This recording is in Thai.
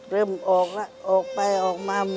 เริ่มออกละออกไปออกไปนอกหมด